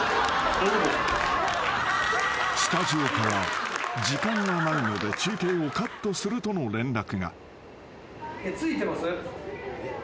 ［スタジオから時間がないので中継をカットするとの連絡が］